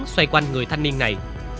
xoay quanh người thanh niên này